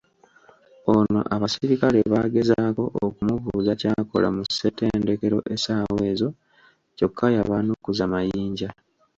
Ono abasirikale baagezaako okumubuuza ky'akola mu ssettendekero essawa ezo kyokka yabaanukuza mayinja.